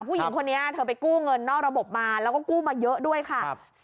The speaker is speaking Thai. ผู้หญิงคนนี้เธอไปกู้เงินนอกระบบมาแล้วก็กู้มาเยอะด้วยค่ะ